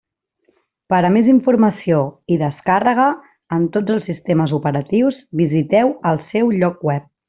Per a més informació i descàrrega en tots els sistemes operatius visiteu el seu lloc web.